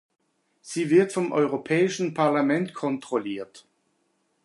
Sie wird vom Europäischen Parlament kontrolliert.